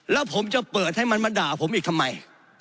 แล้วผมจะเปิดให้มันมาด่าผมอีกทำไม